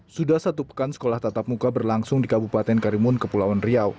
sudah satu pekan sekolah tatap muka berlangsung di kabupaten karimun kepulauan riau